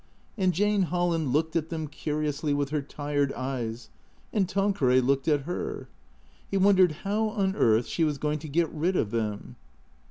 And Jane Holland looked at them curiously with her tired eyes; and Tanqueray looked at her. He wondered how on earth she was going to get rid ol them.